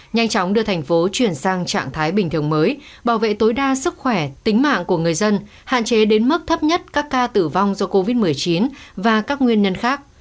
nhanh chóng đưa thành phố chuyển sang trạng thái bình thường mới bảo vệ tối đa sức khỏe tính mạng của người dân hạn chế đến mức thấp nhất các ca tử vong do covid một mươi chín và các nguyên nhân khác